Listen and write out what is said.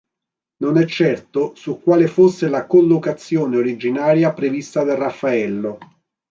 Non è certo su quale fosse la collocazione originaria prevista da Raffaello.